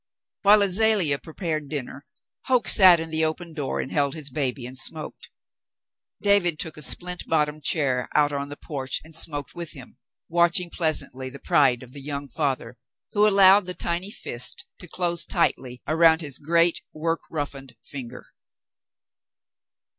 While Azalea prepared dinner, Hoke sat in the open door and held his baby and smoked. David took a splint bottomed chair out on the porch and smoked with him, watching pleasantly the pride of the young father, who allowed the tiny fist to close tightly around his great work roughened finger.